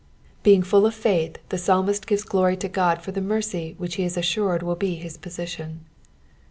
Bdng full of faith, the psalmist gires glory to Qod for the mercy which he JB assured will be his position.